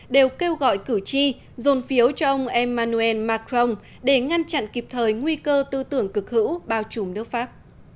đều kêu gọi cử tri dồn phiếu cho ông emmanuel macron để ngăn chặn kịp thời nguy cơ tư tưởng cực hữu bao trùm nước pháp